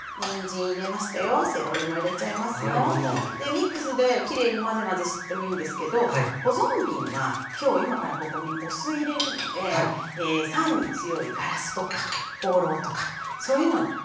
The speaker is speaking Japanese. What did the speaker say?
ミックスできれいに混ぜ混ぜしてもいいんですけど保存瓶は今日今からここにお酢入れるので酸に強いガラスとかホウロウとかそういうのにして頂くといいですね。